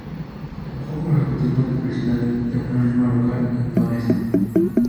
Trabajó como ejecutivo de publicidad de una firma local en Donetsk.